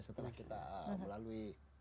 setelah kita melalui